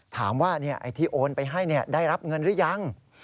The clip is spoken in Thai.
ถามว่าเนี่ยไอ้ที่โอนไปให้เนี่ยได้รับเงินหรือยัง